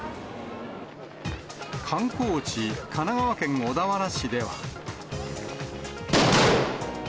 観光地、神奈川県小田原市では。